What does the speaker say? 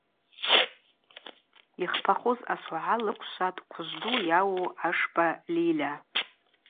Йхпахуз асогӏа лыквшватӏ Хъвыжвду йауу Ашба Льильа.